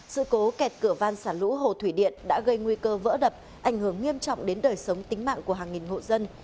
sự cố kẹt cửa van xả lũ hồ thủy điện đã gây nguy cơ vỡ đập ảnh hưởng nghiêm trọng đến đời sống tính mạng của hàng nghìn hộ dân